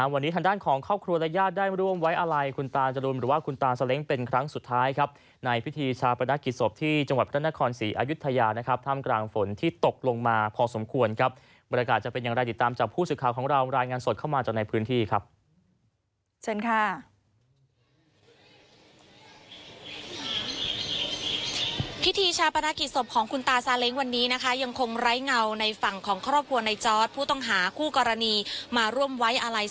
วันนี้ทางด้านของครอบครัวและญาติได้ร่วมไว้อะไร